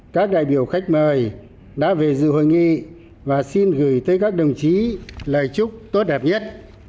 các đại biểu khách mời đã về dự hội nghị và xin gửi tới các đồng chí lời chúc tốt đẹp nhất